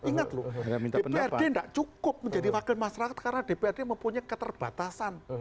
ingat loh dprd tidak cukup menjadi wakil masyarakat karena dprd mempunyai keterbatasan